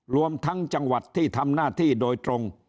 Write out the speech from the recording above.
รวมทั้งจังหวัดที่ทำหน้าที่โดยตรง